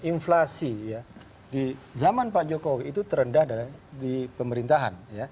inflasi di zaman pak jokowi itu terendah dari pemerintahan